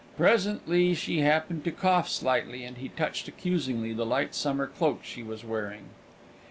Presently she happened to cough slightly, and he touched accusingly the light summer cloak she was wearing.